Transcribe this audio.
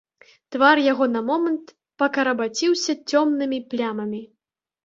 Твар яго на момант пакарабаціўся цёмнымі плямамі.